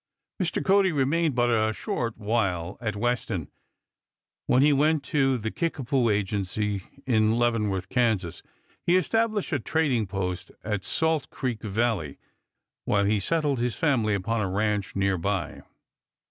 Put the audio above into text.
Mr. Cody remained but a short while at Weston, when he went to the Kickapoo Agency in Leavenworth, Kan. He established a trading post at Salt Creek Valley, while he settled his family upon a ranch near by.